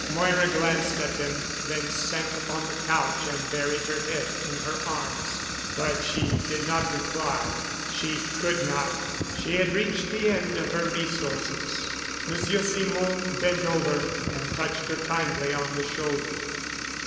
Moira glanced at them, then sank upon the couch and buried her head in her arms, but she did not reply. She could not. She had reached the end of her resources. Monsieur Simon bent over and touched her kindly on the shoulder.